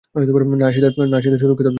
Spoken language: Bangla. না সীতা সুরক্ষিত, না সুপর্ণা।